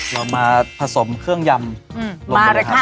เรามาผสมเครื่องยำลงไปเลยครับ